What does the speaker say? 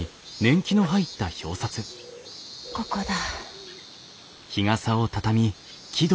ここだ。